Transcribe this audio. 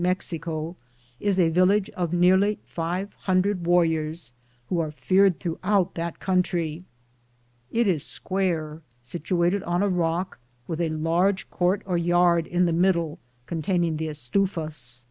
am Google THE J0I7RNEY OF COBOKADO Cicuye ■ is a village of nearly five hun dred warriors, who are feared throughout that country. It is square, situated on a rock, with a large court or yard in the middle, containing the estufas.